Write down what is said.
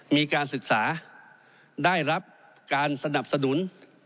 มีการศึกษาได้รับการสนับสนุน